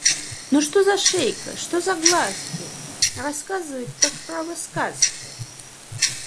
Ну что за шейка, что за глазки! Рассказывать, так, право, сказки!